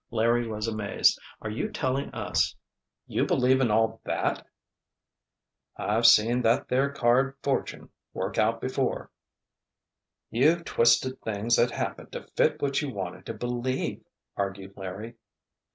Larry was amazed. "Are you really telling us you believe in all that?" "I've seen that there card fortune work out before." "You've twisted things that happened to fit what you wanted to believe," argued Larry.